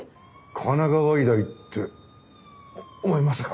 神奈川医大ってお前まさか。